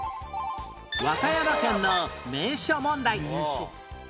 和歌山県の名所問題